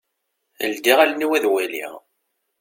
Ldiɣ allen-iw ad waliɣ.